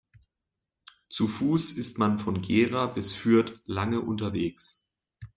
Zu Fuß ist man von Gera bis Fürth lange unterwegs